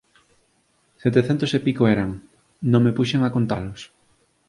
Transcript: Setecentos e pico eran, non me puxen a contalos